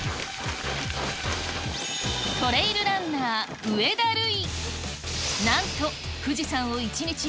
トレイルランナー、上田瑠偉。